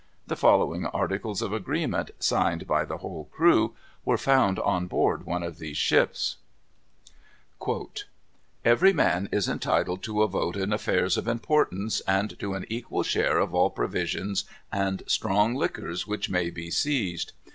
The following articles of agreement, signed by the whole crew, were found on board one of these ships: "Every man is entitled to a vote in affairs of importance, and to an equal share of all provisions and strong liquors which may be seized.